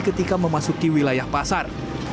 ketika memasuki wilayah pasar